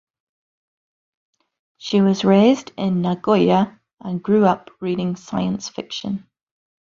She was raised in Nagoya and grew up reading science fiction.